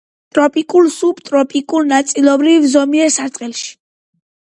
ტროპიკულ, სუბტროპიკულ, ნაწილობრივ ზომიერ სარტყელში.